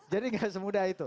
jadi gak semudah itu